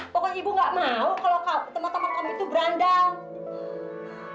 pokoknya ibu nggak mau kalau teman teman kami itu berandal